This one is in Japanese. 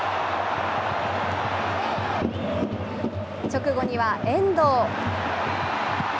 直後には遠藤。